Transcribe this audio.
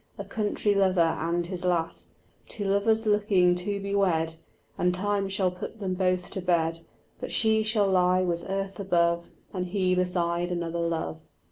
A country lover and his lass; Two lovers looking to be wed; And time shall put them both to bed, But she shall lie with earth above, And he beside another love."